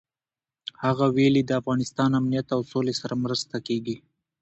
هغه ویلي، د افغانستان امنیت او سولې سره مرسته کېږي.